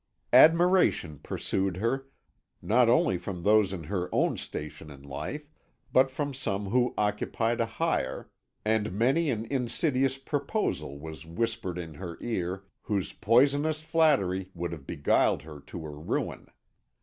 Admiration pursued her, not only from those in her own station in life, but from some who occupied a higher, and many an insidious proposal was whispered in her ear whose poisonous flattery would have beguiled her to her ruin.